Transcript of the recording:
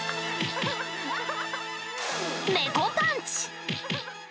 猫パンチ。